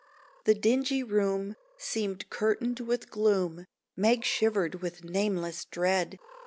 The dingy room seemed curtained with gloom; Meg shivered with nameless dread.